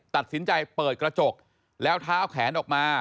ตัดสินใจเปิดกระจกแล้วเท้าแขนออกมา